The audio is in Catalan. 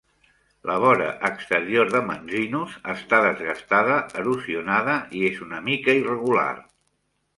La vora exterior de Manzinus està desgastada, erosionada i és una mica irregular.